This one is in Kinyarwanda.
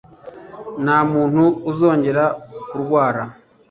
Nta muntu uzongera kurwara